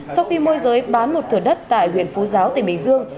công ty môi giới bán một thửa đất tại huyện phú giáo tỉnh bình dương